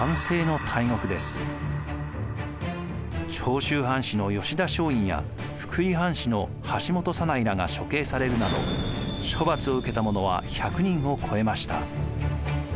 長州藩士の吉田松陰や福井藩士の橋本左内らが処刑されるなど処罰を受けたものは１００人を超えました。